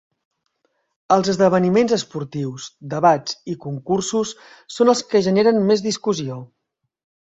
Els esdeveniments esportius, debats i concursos són els que generen més discussió.